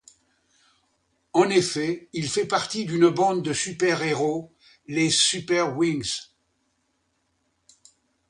En effet, il fait partie d'une bande de super-héros, les Super Wings.